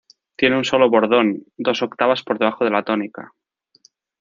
Tiene un solo bordón, dos octavas por debajo de la tónica.